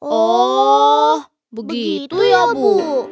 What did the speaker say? oh begitu ya bu